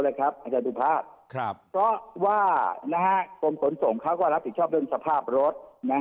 เพราะว่าโรงขนส่งเขาก็รับผิดชอบเรื่องสภาพรถ